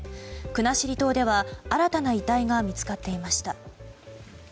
国後島では新たな遺体が見つかっていました。